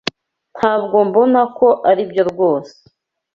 Ntabwo mbona ko aribyo rwose.